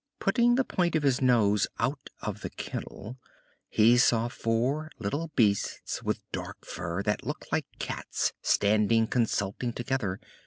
Putting the point of his nose out of the kennel, he saw four little beasts with dark fur, that looked like cats, standing consulting together.